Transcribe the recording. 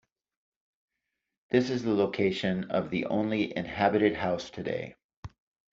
This is the location of the only inhabited house today.